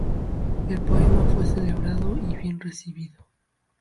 El poema fue celebrado y bien recibido.